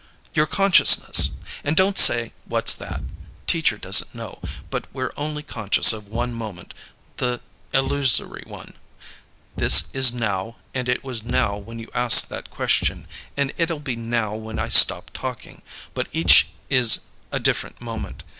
"Your consciousness. And don't say, 'What's that?' Teacher doesn't know. But we're only conscious of one moment; the illusory now. This is 'now,' and it was 'now' when you asked that question, and it'll be 'now' when I stop talking, but each is a different moment.